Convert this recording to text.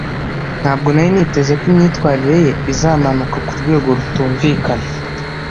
Ntabwo nari niteze ko imyitwarire ye izamanuka kurwego rutumvikana.